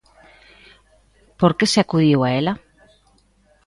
Por que se acudiu a ela?